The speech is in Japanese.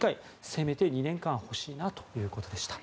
せめて２年間欲しいなということでした。